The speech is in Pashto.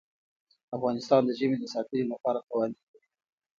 افغانستان د ژمی د ساتنې لپاره قوانین لري.